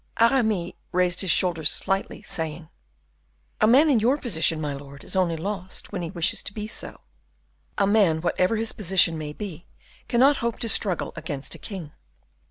Aramis raised his shoulders slightly, saying: "A man in your position, my lord, is only lost when he wishes to be so." "A man, whatever his position may be, cannot hope to struggle against a king."